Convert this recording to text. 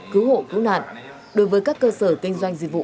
cứu hộ cứu nạn đối với các cơ sở kinh doanh dịch vụ